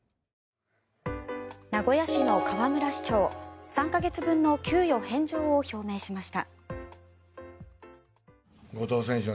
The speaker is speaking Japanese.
名古屋市の河村市長３か月分の給与返上を表明しました。